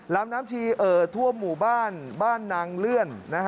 ลำน้ำชีเอ่อทั่วหมู่บ้านบ้านนางเลื่อน